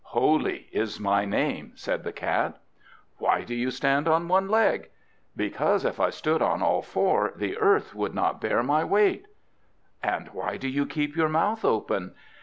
"Holy is my name," said the Cat. "Why do you stand on one leg?" "Because if I stood on all four, the earth could not bear my weight." "And why do you keep your mouth open?"